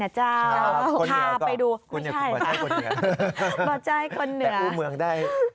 จะพาไปดูไม่ใช่ค่ะบ่ใจคนเหนือแต่อู้เมืองได้